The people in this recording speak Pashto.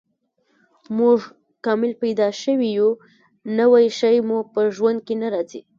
موږ کامل پیدا شوي یو، نوی شی مو په ژوند کې نه راځي.